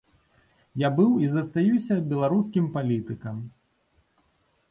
Я быў і застаюся беларускім палітыкам.